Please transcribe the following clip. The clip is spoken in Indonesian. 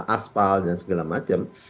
asfal dan segala macam